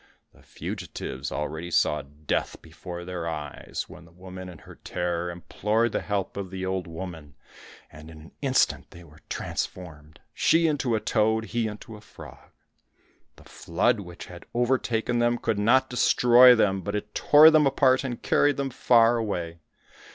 The fugitives already saw death before their eyes, when the woman in her terror implored the help of the old woman, and in an instant they were transformed, she into a toad, he into a frog. The flood which had overtaken them could not destroy them, but it tore them apart and carried them far away.